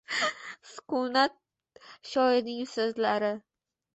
Sukunat — shoirning so’zlari.